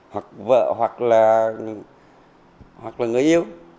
hoặc vợ hoặc là người yêu